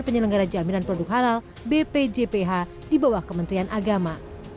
dan penyelenggara jaminan produk halal bpjph di bawah kementerian agama